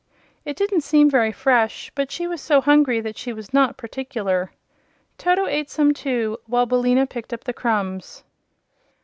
It didn't seem very fresh, but she was so hungry that she was not particular. Toto ate some, too, while Billina picked up the crumbs.